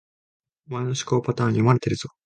お前の思考パターン、読まれてるぞ